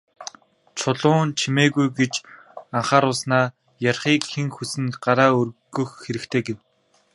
Чулуун «Чимээгүй» гэж анхааруулснаа "Ярихыг хэн хүснэ, гараа өргөх хэрэгтэй" гэв.